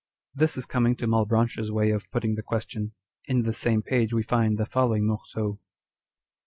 a This is coming to Malebranche's way of putting the ques tion. In the same page we find the following morceau : â€" 1 Page 107.